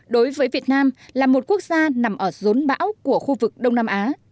đối với việt nam là một quốc gia nằm ở rốn bão của khu vực đông nam á